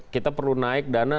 kita perlu naik dana